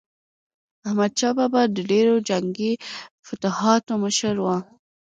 احمدشاه بابا د ډیرو جنګي فتوحاتو مشر و.